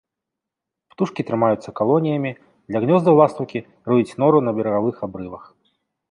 Птушкі трымаюцца калоніямі, для гнёздаў ластаўкі рыюць норы на берагавых абрывах.